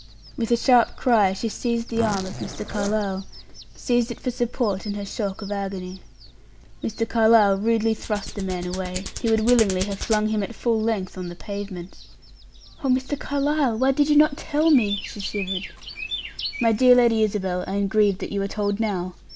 With a sharp cry, she seized the arm of Mr. Carlyle seized it for support in her shock of agony. Mr. Carlyle rudely thrust the man away; he would willingly have flung him at full length on the pavement. "Oh, Mr. Carlyle, why did you not tell me?" she shivered. "My dear Lady Isabel, I am grieved that you are told now.